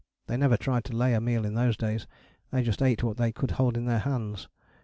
They never tried to lay a meal in those days, they just ate what they could hold in their hands.